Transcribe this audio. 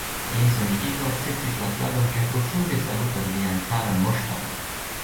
Princo Nikito akceptis la pladon kaj profunde salutas vian caran moŝton!